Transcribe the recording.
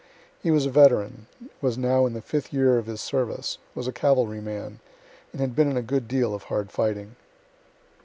He was a veteran; was now in the fifth year of his service; was a cavalry man, and had been in a good deal of hard fighting.